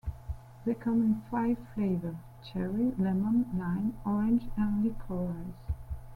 They come in five flavors: cherry, lemon, lime, orange, and licorice.